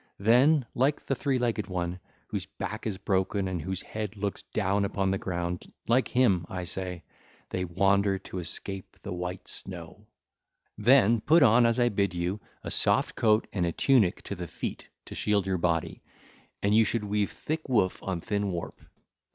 Then, like the Three legged One 1324 whose back is broken and whose head looks down upon the ground, like him, I say, they wander to escape the white snow. (ll. 536 563) Then put on, as I bid you, a soft coat and a tunic to the feet to shield your body,—and you should weave thick woof on thin warp.